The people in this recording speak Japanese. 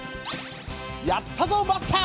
やったぞマスター！